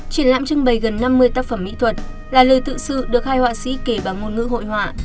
triển lãm trưng bày gần năm mươi tác phẩm mỹ thuật là lời tự sự được hai họa sĩ kể bằng ngôn ngữ hội họa